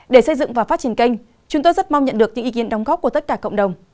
để xây dựng và phát triển kênh chúng tôi rất mong nhận được những ý kiến đóng góp của tất cả cộng đồng